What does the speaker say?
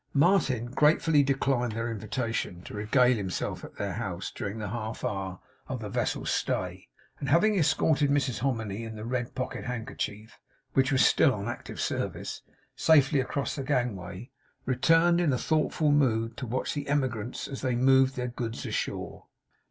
Martin gratefully declined their invitation to regale himself at their house during the half hour of the vessel's stay; and having escorted Mrs Hominy and the red pocket handkerchief (which was still on active service) safely across the gangway, returned in a thoughtful mood to watch the emigrants as they removed their goods ashore.